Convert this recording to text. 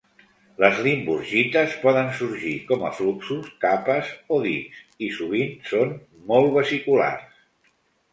Les limburgites poden sorgir com a fluxos, capes o dics, i sovint són molt vesiculars.